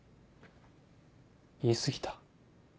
言い過ぎた？